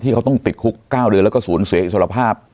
เขาต้องติดคุก๙เดือนแล้วก็สูญเสียอิสรภาพ